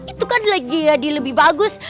itu kan lagi jadi lebih bagus